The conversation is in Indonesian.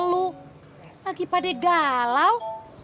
lalu lagi pade galau